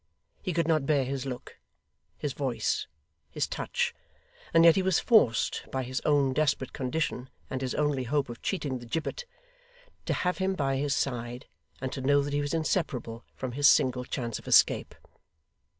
He could not bear his look, his voice, his touch; and yet he was forced, by his own desperate condition and his only hope of cheating the gibbet, to have him by his side, and to know that he was inseparable from his single chance of escape.